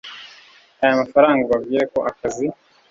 aya mafaranga ubabwire ko akazi